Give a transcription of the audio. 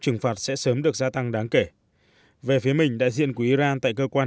trừng phạt sẽ sớm được gia tăng đáng kể về phía mình đại diện của iran tại cơ quan